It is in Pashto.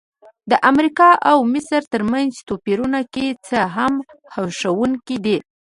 د امریکا او مصر ترمنځ توپیرونه که څه هم هیښوونکي دي.